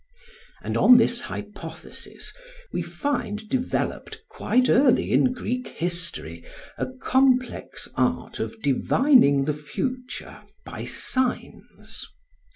And on this hypothesis we find developed quite early in Greek history, a complex art of divining the future by signs.